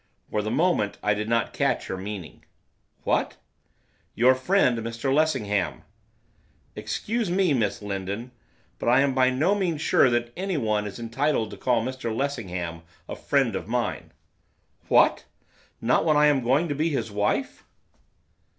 For the moment I did not catch her meaning. 'What?' 'Your friend, Mr Lessingham.' 'Excuse me, Miss Lindon, but I am by no means sure that anyone is entitled to call Mr Lessingham a friend of mine.' 'What! Not when I am going to be his wife?